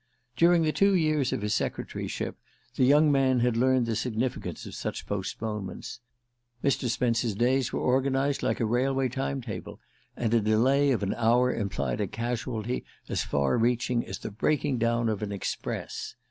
During the two years of his secretaryship the young man had learned the significance of such postponements. Mr. Spence's days were organized like a railway time table, and a delay of an hour implied a casualty as far reaching as the breaking down of an express.